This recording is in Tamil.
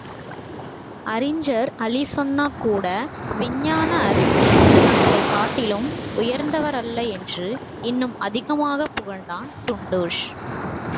அறிஞர் அலிசென்னா கூட விஞ்ஞான அறிவில் தங்களைக் காட்டிலும் உயர்ந்தவரல்ல என்று இன்னும் அதிகமாகப் புகழ்ந்தான் டுன்டுஷ்.